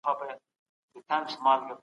که زده کوونکی بحث وکړي دا تعليم پياوړی کوي.